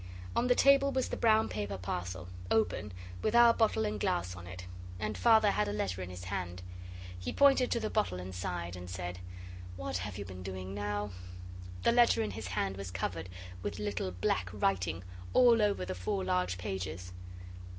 On the table was the brown paper parcel, open, with our bottle and glass on it, and Father had a letter in his hand. He Pointed to the bottle and sighed, and said, 'What have you been doing now?' The letter in his hand was covered with little black writing, all over the four large pages.